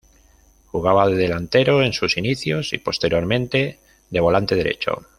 Jugaba de delantero en sus inicios y posteriormente de volante derecho.